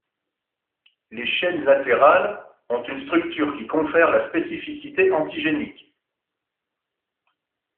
Les chaînes latérales ont une structure qui confère la spécificité antigénique.